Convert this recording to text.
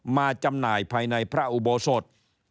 จำหน่ายภายในพระอุโบสถ